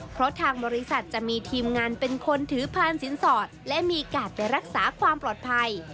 เพราะทางบริษัทจะมีทีมงานเป็นคนถือพานสินสอดและมีกาดไปรักษาความปลอดภัย